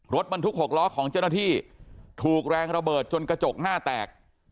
รถบรรทุก๖ล้อของเจ้าหน้าที่ถูกแรงระเบิดจนกระจกหน้าแตก